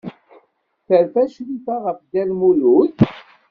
Terfa Crifa ɣef Dda Lmulud?